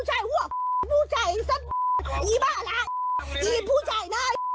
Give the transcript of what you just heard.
อันนี้หละ